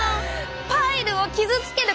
パイルを傷つける